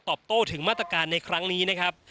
โต้ถึงมาตรการในครั้งนี้นะครับ